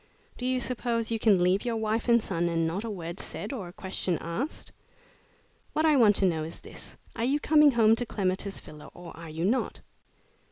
Do you suppose you can leave your wife and son and not a word said or a question asked? What I want to know is this are you coming home to Clematis Villa or are you not?"